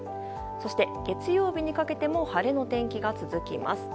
そして、月曜日にかけても晴れの天気が続きます。